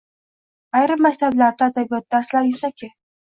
Ayrim maktablarda adabiyot darslari yuzaki.